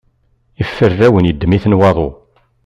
Iferrawen yeddem-ten waḍu.